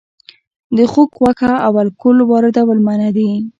د خوګ غوښه او الکول واردول منع دي؟